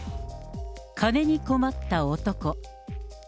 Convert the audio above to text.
金に困った男。